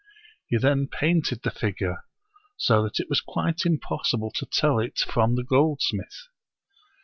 He then painted the figure, so that it was quite impossible to tell it from the goldsmith.